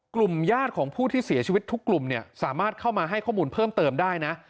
ญาติของผู้ที่เสียชีวิตทุกกลุ่มเนี่ยสามารถเข้ามาให้ข้อมูลเพิ่มเติมได้นะ